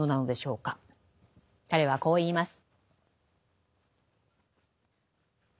彼はこう言います。